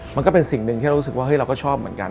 มันก็เป็นสิ่งหนึ่งที่เรารู้สึกว่าเราก็ชอบเหมือนกัน